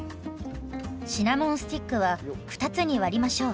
シナモンスティックは２つに割りましょう。